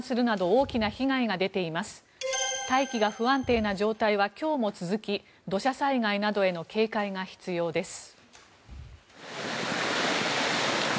大気が不安定な状態は今日も続き土砂災害などへの警戒が必要です。